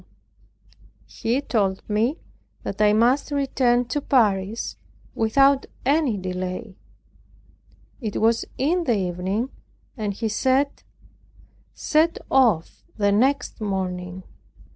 He told me that I must return to Paris without any delay. It was in the evening, and he said, "set off the next morning."